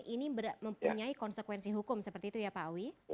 ini mempunyai konsekuensi hukum seperti itu ya pak awi